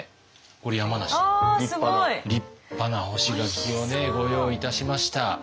これ山梨の立派な立派な干し柿をねご用意いたしました。